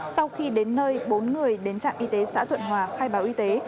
sau khi đến nơi bốn người đến trạm y tế xã thuận hòa khai báo y tế